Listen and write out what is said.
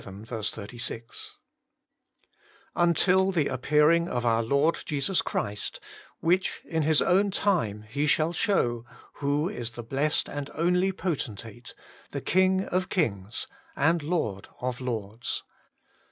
* Until the appearing of our Lord Jesus Christ, which, in His own time. He shall shew, who is the blessed and only Potenate, the King of kings, and Lord of lords.'